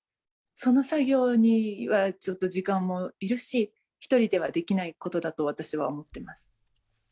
その作業にはちょっと時間もいるし、１人ではできないことだと私は思ってます。